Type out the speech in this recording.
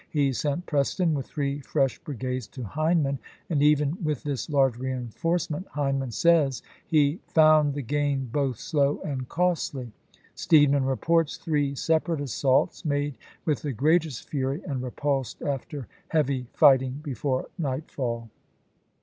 ^^^l^l' " He sent Preston with three fresh brigades to Hind man, and even with this large reenforcement, Hind man says, he " found the gain both slow and costly." Steedman reports three separate assaults, made with the greatest fury, and repulsed after heavy Ibid., p. 860. fighting, before nightfall.